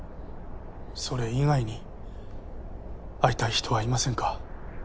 それ以外に会いたい人はいませんか？